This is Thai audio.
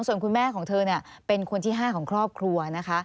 ส่วนคุณแม่ของเธอเป็นคนที่๕ของครอบครัวนะคะ